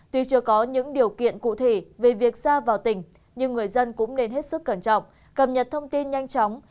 tuy chưa có những điều kiện cụ thể về việc ra vào tỉnh nhưng người dân cũng nên hết sức cẩn trọng cập nhật thông tin nhanh chóng